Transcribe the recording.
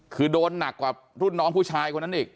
คือโดนหนักกว่ารุ่นน้องผู้ชายคนนั้นอีก